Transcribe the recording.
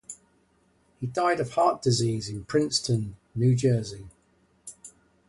He died of heart disease in Princeton, New Jersey.